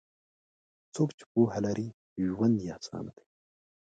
څوک چې پوهه لري، ژوند یې اسانه دی.